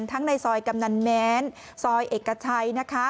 ทั้งในซอยคำนาญแม้นซอยเอกชัย